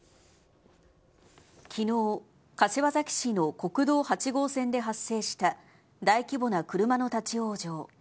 きのう、柏崎市の国道８号線で発生した大規模な車の立往生。